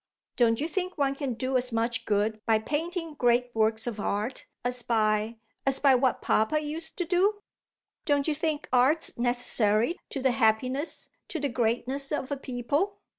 "Don't you think one can do as much good by painting great works of art as by as by what papa used to do? Don't you think art's necessary to the happiness, to the greatness of a people?